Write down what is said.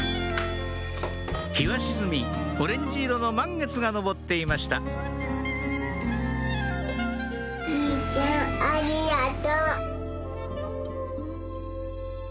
日は沈みオレンジ色の満月が昇っていましたじいちゃんありがとう。